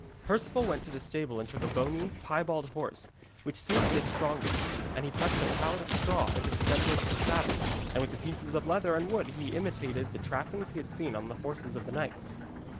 Perceval went to the stable and took a bony, piebald horse, which seemed the strongest, and he pressed a pallet of straw into the semblance of a saddle, and with pieces of leather and wood he imitated the trappings he had seen on the horses of the knights.